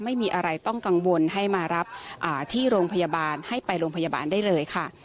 ไม่มีอะไรต้องกังวลให้มารับที่โรงพยาบาลให้ไปโรงพยาบาลได้เลยค่ะ